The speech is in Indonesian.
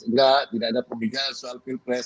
tidak tidak ada perbedaan soal pilpres